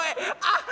あっ！